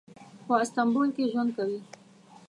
په استانبول کې ژوند کوي.